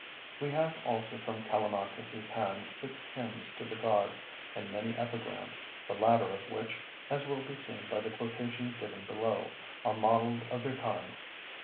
We have also from Callimachus's hand six hymns to the gods and many epigrams, the latter of which, as will be seen by the quotations given below, are models of their kind.